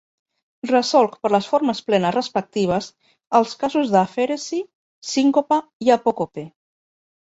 Resolc per les formes plenes respectives els casos d’afèresi, sincopa i apòcope.